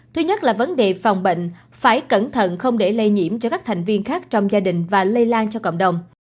thứ nhất là vấn đề phòng bệnh phải cẩn thận không để lây nhiễm cho các thành viên khác trong gia đình và lây lan cho cộng đồng